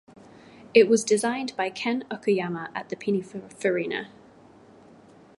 It was designed by Ken Okuyama at Pininfarina.